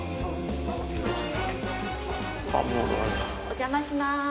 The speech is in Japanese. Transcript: お邪魔します。